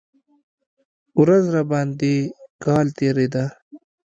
ورځ راباندې کال تېرېده.